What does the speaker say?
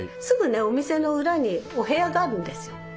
すぐねお店の裏にお部屋があるんですよ。